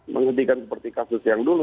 menghentikan seperti kasus yang dulu